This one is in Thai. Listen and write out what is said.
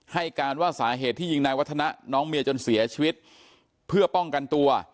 ให้การว่าสาเหตุที่ยิงนายวัฒนะน้องเมียจนเสียชีวิตเพื่อป้องกันตัว